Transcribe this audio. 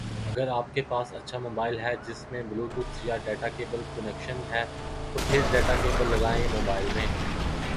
اگر آپ کے پاس اچھا موبائل ہے جس میں بلوٹوتھ یا ڈیٹا کیبل کنیکشن ہے تو پھر ڈیٹا کیبل لگائیں موبائل میں